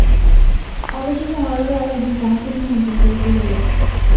অবশেষে হরলাল একদিন তাহাকে নিমন্ত্রণ করিতে গেল।